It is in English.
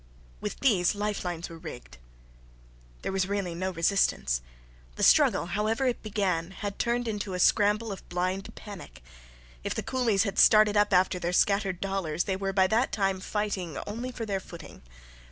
With these life lines were rigged. There was really no resistance. The struggle, however it began, had turned into a scramble of blind panic. If the coolies had started up after their scattered dollars they were by that time fighting only for their footing.